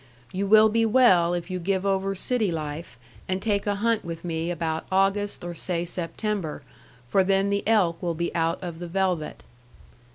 You will be well if you give over city life and take a hunt with me about August or say September for then the elk will be out of the velvett.